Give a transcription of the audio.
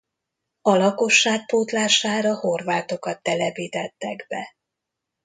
A lakosság pótlására horvátokat telepítettek be.